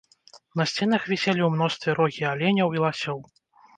На сценах віселі ў мностве рогі аленяў і ласёў.